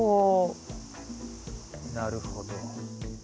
なるほど。